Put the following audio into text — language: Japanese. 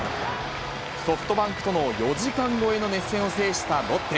ソフトバンクとの４時間超えの熱戦を制したロッテ。